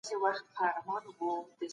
عرفاني شعر عوامو ته هم رسېږي.